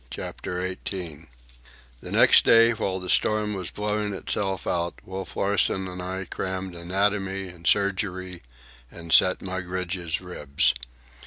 CHAPTER XVIII The next day, while the storm was blowing itself out, Wolf Larsen and I crammed anatomy and surgery and set Mugridge's ribs.